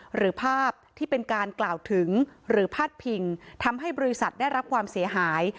หรือภาพที่เป็นการกล่าวถึงหรือพาดพิงทำให้บริษัทได้รับความเสียหาย